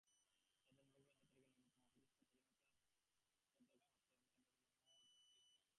স্বাধীন বাংলা বেতার কেন্দ্রের অন্যতম প্রতিষ্ঠাতা স্বাধীনতা পদকপ্রাপ্ত কবি বেলাল মোহাম্মদের অবস্থা সংকটাপন্ন।